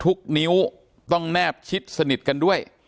การแก้เคล็ดบางอย่างแค่นั้นเอง